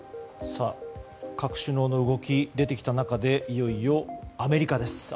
各首脳の動きが出てきた中でいよいよ、アメリカです。